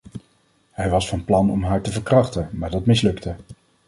Hij was van plan om haar te verkrachten, maar dat mislukte.